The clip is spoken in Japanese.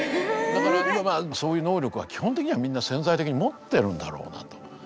だからまあそういう能力は基本的にはみんな潜在的に持ってるんだろうなと。